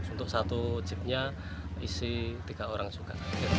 untuk satu jeepnya isi tiga orang juga